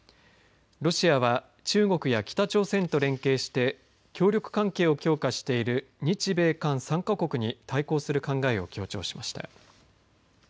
ロシアは中国や北朝鮮と連携して協力関係を強化している日米韓３か国に対抗する考えを強調しました。